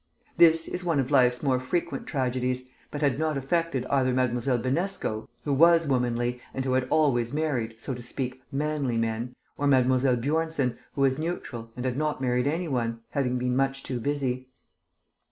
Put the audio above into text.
This is one of life's more frequent tragedies, but had not affected either Mlle. Binesco, who was womanly, and had always married (so to speak) manly men, or Mlle. Bjornsen, who was neutral, and had not married any one, having been much too busy.